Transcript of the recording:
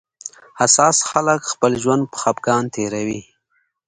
حساس خلک خپل ژوند په خپګان تېروي